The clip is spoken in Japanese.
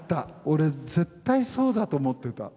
俺絶対そうだと思ってた。